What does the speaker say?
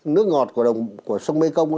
nước ngọt của sông mekong